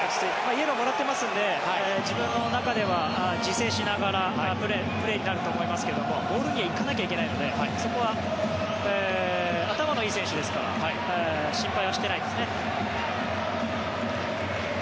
イエローをもらっていますので自分の中では自制しながらのプレーになると思いますがボールには行かなきゃいけないのでそこは頭のいい選手ですから心配はしていないですね。